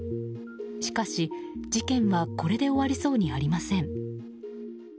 しかし、事件はこれで終わりそうにありません。